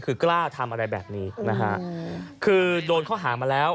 คือกร้าทำอะไรแบบนี้โดนเขาหามาแล้ว